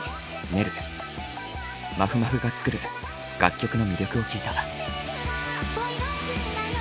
まふまふが作る楽曲の魅力を聞いた。